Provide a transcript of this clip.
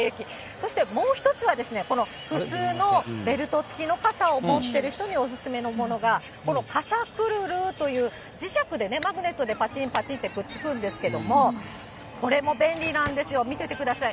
そしてもう１つは、この普通のベルト付きの傘を持ってる人にお勧めのものが、この傘くるるという磁石で、マグネットでぱちんぱちんってくっつくんですけども、これも便利なんですよ、見ててください。